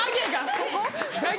・そこ？